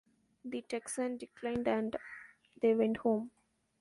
The Texan declined and they went home.